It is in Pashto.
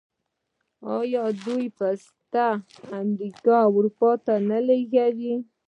آیا دوی پسته امریکا او اروپا ته نه لیږي؟